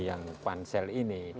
yang pansel ini